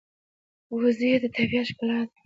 وزې د طبیعت ښکلا ده